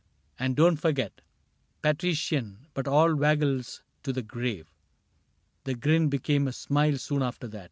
And don't for get: Patrician, but all Waggles to the grave/* The grin became a smile soon after that.